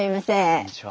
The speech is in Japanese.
こんにちは。